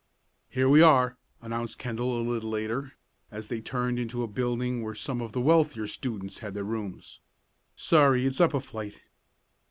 "Here we are," announced Kendall a little later, as they turned into a building where some of the wealthier students had their rooms. "Sorry it's up a flight."